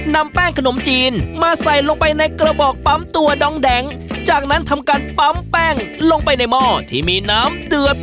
นำแป้งขนมจีนมาใส่ลงไปในกระบอกปั๊มตัวดองแดงจากนั้นทำการปั๊มแป้งลงไปในหม้อที่มีน้ำเดือด